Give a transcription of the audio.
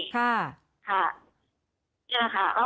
ค่ะนี่แหละค่ะ